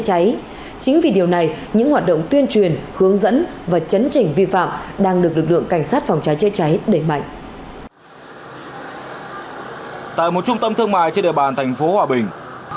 tại một trung tâm thương mại trên địa bàn thành phố hòa bình